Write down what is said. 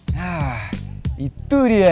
nah itu dia